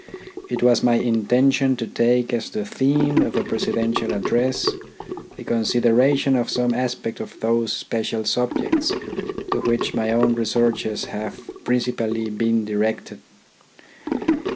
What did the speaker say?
It was my intention to take as the theme of a presidential address the consideration of some aspect of those special subjects to which my own researches have principally been directed.